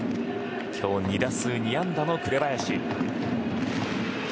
今日２打数２安打の紅林。